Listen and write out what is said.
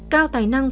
cao tài năng